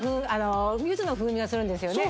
ユズの風味がするんですよね。